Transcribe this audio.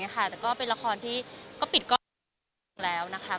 ก็เป็นละครที่แล้วนะคะ